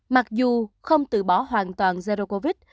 mặc dù không từ bỏ hoàn toàn zero covid